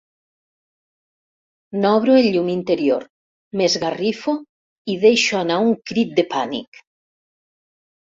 N'obro el llum interior, m'esgarrifo i deixo anar un crit de pànic.